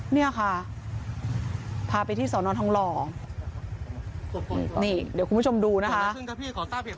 เนี่ยค่ะพาไปที่สอนอนทองหล่อนี่เดี๋ยวคุณผู้ชมดูนะคะ